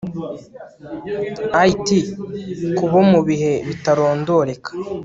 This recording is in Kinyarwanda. It ku bo mu bihe bitarondoreka